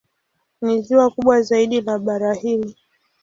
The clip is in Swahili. Ni ziwa kubwa zaidi la bara hili.